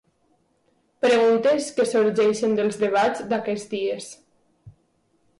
Preguntes que sorgeixen dels debats d'aquests dies.